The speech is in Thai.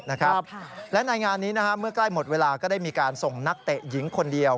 และในงานนี้เมื่อใกล้หมดเวลาก็ได้มีการส่งนักเตะหญิงคนเดียว